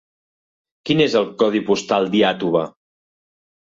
Quin és el codi postal d'Iàtova?